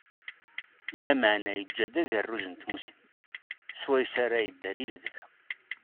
Lameεna yeǧǧa-d agerruj n tmussni, swayes ara yedder i lebda.